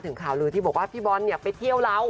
ถึงข่าวลือที่บอกว่าพี่บอลไปเที่ยวเล้า